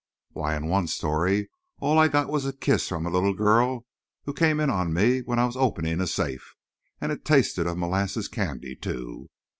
Why, in one story, all I got was a kiss from a little girl who came in on me when I was opening a safe. And it tasted of molasses candy, too.